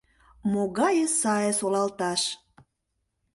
Могае сае солалташ.